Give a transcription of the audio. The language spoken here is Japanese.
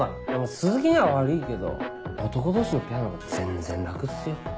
鈴木には悪いけど男同士のペアのほうが全然楽っすよ。